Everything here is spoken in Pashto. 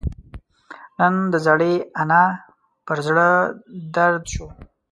نن د زړې انا پر زړه دړد شو